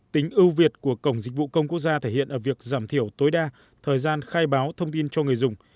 tính ưu việt của cổng dịch vụ công quốc gia thể hiện ở việc giảm thiểu tối đa thời gian khai báo thông tin cho người dùng